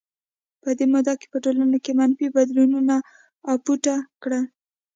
په دې موده کې په ټولنه کې منفي بدلونونو اپوټه کړل.